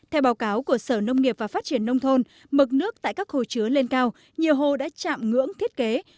theo báo cáo của sở nông nghiệp và phát triển nông thôn mực nước tại các hồ chứa lên cao nhiều hồ đã chạm ngưỡng thiết kế